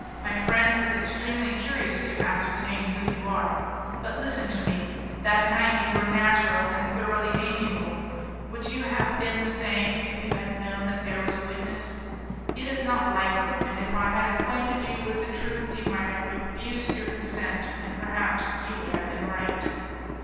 My friend is extremely curious to ascertain who you are. But listen to me, that night you were natural and thoroughly amiable, would you have been the same, if you had known that there was a witness? It is not likely, and if I had acquainted you with the truth, you might have refused your consent, and perhaps you would have been right.